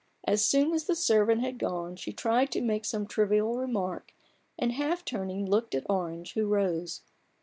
As soon as the servant had gone she tried to make some trivial remark, and, half turning, looked at Orange, who rose.